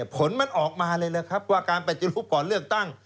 ผลมันออกมาเลยนะครับว่าการปฏิรูปก่อนเลือกตั้ง